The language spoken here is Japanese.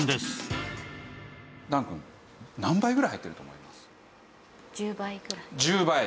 林くん何倍ぐらい入ってると思います？